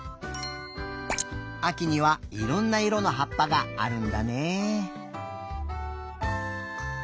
あきにはいろんないろのはっぱがあるんだね。